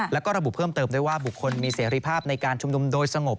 แล้วก็ระบุเพิ่มเติมด้วยว่าบุคคลมีเสรีภาพในการชุมนุมโดยสงบ